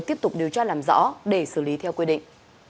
tiếp tục điều tra làm rõ để xử lý theo quy định